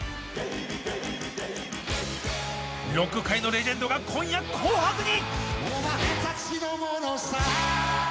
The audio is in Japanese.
ロック界のレジェンドが今夜、紅白に！